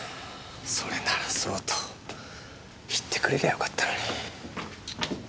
それならそうと言ってくれりゃよかったのに。